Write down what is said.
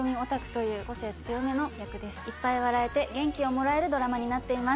いっぱい笑えて元気をもらえるドラマになっています。